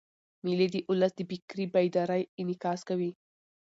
مېلې د اولس د فکري بیدارۍ انعکاس کوي.